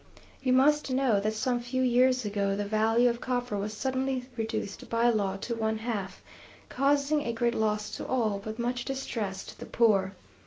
You must know, that some few years ago, the value of copper was suddenly reduced by law to one half, causing a great loss to all, but much distress to the poor.